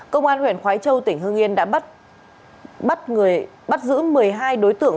công an huyện khói châu tỉnh hương yên đã bắt giữ một mươi hai đối tượng